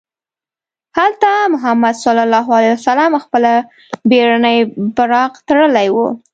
هلته محمد صلی الله علیه وسلم خپله بېړنۍ براق تړلې وه.